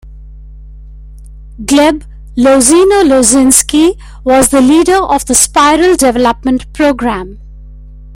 Gleb Lozino-Lozinskiy was the leader of the Spiral development programme.